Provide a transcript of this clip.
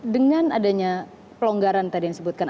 dengan adanya pelonggaran tadi yang disebutkan